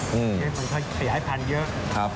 ให้มันขยายพันธุ์เยอะ